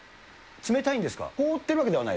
冷たいんですか？